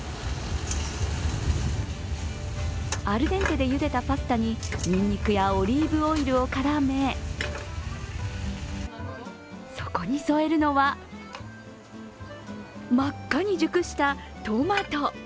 アルデンテでゆでたパスタに、にんにくやオリーブオイルを絡め、そこに添えるのは、真っ赤に熟したトマト！